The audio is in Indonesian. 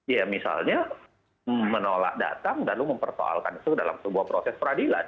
ya misalnya menolak datang lalu mempersoalkan itu dalam sebuah proses peradilan